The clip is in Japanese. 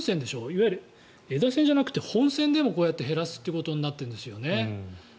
いわゆる枝線じゃなくて本線でもこうやって減らすということになってるんですよね。